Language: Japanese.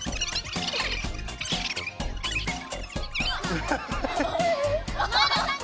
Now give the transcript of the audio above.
アハハハハ！